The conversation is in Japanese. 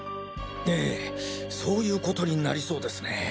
ええそういうことになりそうですね。